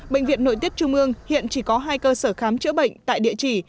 bệnh viện nội tiết trung ương hiện chỉ có hai cơ sở khám chữa bệnh tại địa chỉ